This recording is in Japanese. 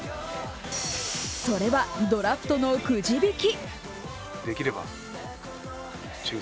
それはドラフトのくじ引き。